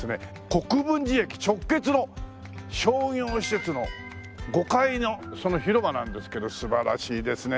国分寺駅直結の商業施設の５階のその広場なんですけど素晴らしいですね。